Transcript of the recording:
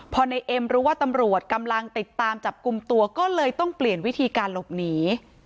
พอในเอ็มรู้ว่าตำรวจกำลังติดตามจับกลุ่มตัวก็เลยต้องเปลี่ยนวิธีการหลบหนี